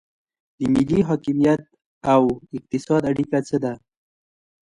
د ملي حاکمیت او اقتصاد اړیکه څه ده؟